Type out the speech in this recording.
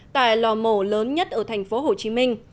tại lò mổ lớn nhất ở thành phố hồ chí minh